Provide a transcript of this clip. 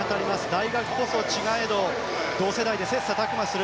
大学こそ違えど、同世代で切磋琢磨する。